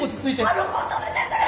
あの子を止めてくれ！